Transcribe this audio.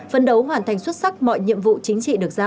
phân đấu hoàn thành xuất sắc mọi nhiệm vụ chính trị được giao